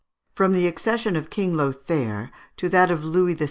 From the accession of King Lothaire to that of Louis VI.